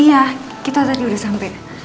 iya kita tadi udah sampai